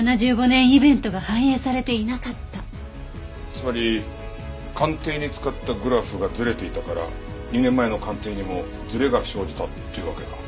つまり鑑定に使ったグラフがずれていたから２年前の鑑定にもずれが生じたというわけか？